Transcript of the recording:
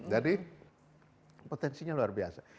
jadi potensinya luar biasa